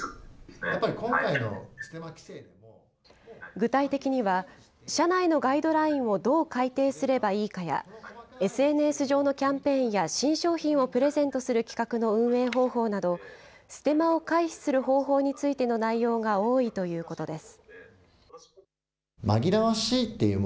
具体的には、社内のガイドラインをどう改定すればいいかや、ＳＮＳ上のキャンペーンや新商品をプレゼントする企画の運営方法など、ステマを回避する方法についての内容が多いということです。